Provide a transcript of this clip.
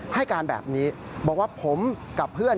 ให้การแบบนี้บอกว่าผมกับเพื่อน